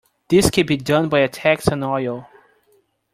This can be done by a tax on oil.